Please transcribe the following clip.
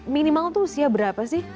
minimal tuh usia berapa sih